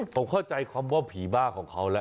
ผมเข้าใจคำว่าผีบ้าของเขาแล้ว